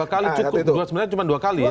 dua kali cukup sebenarnya cuma dua kali ya